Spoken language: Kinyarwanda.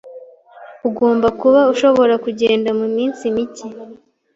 Ugomba kuba ushobora kugenda muminsi mike.